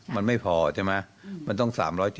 มันไม่พอใช่ไหมมันต้อง๓๗